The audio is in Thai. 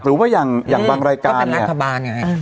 หรือว่าอย่างอย่างบางรายการอืมก็เป็นนักพบาลไงอืม